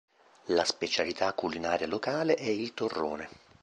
La specialità culinaria locale è il torrone.